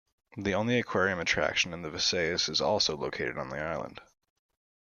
The only aquarium attraction in the Visayas is also located on the island.